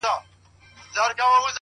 چي مي دا خپلي شونډي”